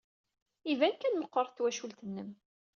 Iban kan meɣɣret twacult-nnem.